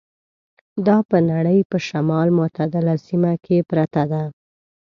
دا په نړۍ په شمال متعدله سیمه کې پرته ده.